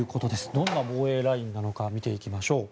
どんな防衛ラインなのか見ていきましょう。